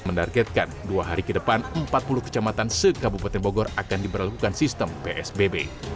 menargetkan dua hari ke depan empat puluh kecamatan sekabupaten bogor akan diberlakukan sistem psbb